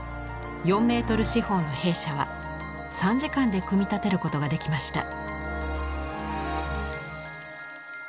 ４メートル四方の兵舎は３時間で組み立てることができました。